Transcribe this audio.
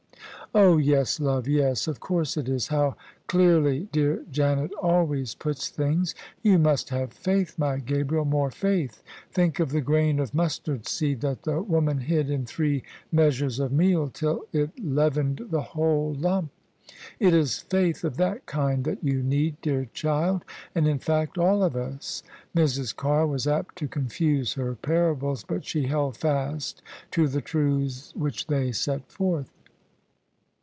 "Oh, yes, love, yes; of course it is; how clearly dear Janet always puts things! You must have faith, my Gabriel, more faith. Think of the grain of mustard seed that the woman hid in three measures of meal till it leav ened the whole lump. It is faith of that kind that you need, dear child, and in fact all of us." Mrs. Carr was apt to confuse her parables: but she held fast to the truths which they set forth.